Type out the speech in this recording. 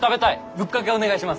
ぶっかけお願いします。